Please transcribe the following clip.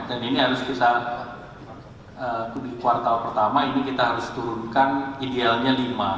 dan ini harus bisa di kuartal pertama ini kita harus turunkan idealnya lima